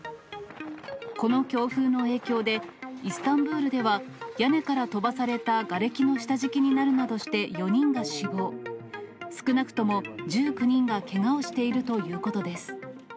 この強風の影響で、イスタンブールでは、屋根から飛ばされたがれきの下敷きになるなどして４人が死亡、少なくとも１９人がけがをしているということです。